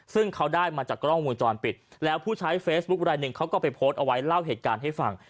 ซึ่งเขาได้มาจากกล้องวงจรปิดแล้วผู้ใช้เฟซบุ๊คไลนึงเขาก็ไปโพสต์เอาไว้เล่าเหตุการณ์ให้ฟัง